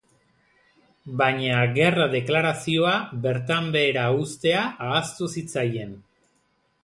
Baina gerra deklarazioa bertan behera uztea ahaztu zitzaien.